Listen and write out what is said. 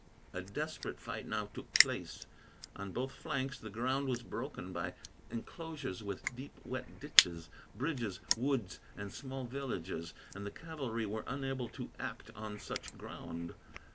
A desperate fight now took place. On both flanks, the ground was broken by enclosures with deep wet ditches, bridges, woods, and small villages; and the cavalry were unable to act on such ground.